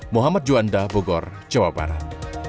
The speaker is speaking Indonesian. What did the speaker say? muhammad juanda bogor jawa barat